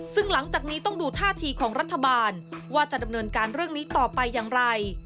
ซึ่งหลังจากนี้ต้องดูท่าทีของรัฐบาลว่าจะดำเนินการเรื่องนี้ต่อไปอย่างไร